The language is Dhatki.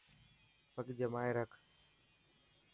پگ جمائي رک.